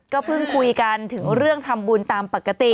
ก็เพิ่งคุยกันถึงเรื่องทำบุญตามปกติ